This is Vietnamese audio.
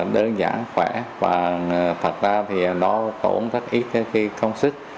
đơn giản khỏe và thật ra thì nó tốn rất ít cái công sức